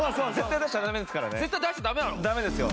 ダメですよ。